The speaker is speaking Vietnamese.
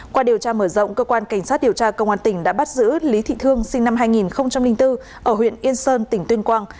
qua điều tra mở rộng cơ quan cảnh sát điều tra công an tỉnh đã bắt giữ lý thị thương sinh năm hai nghìn bốn ở huyện yên sơn tỉnh tuyên quang